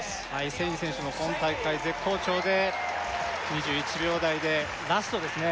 セイニ選手も今大会絶好調で２１秒台でラストですね